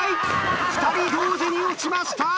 ２人同時に落ちました！